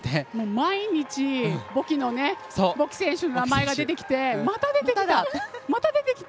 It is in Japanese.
毎日ボキ選手の名前が出てきてまた出てきた！